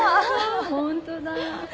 ホントだ。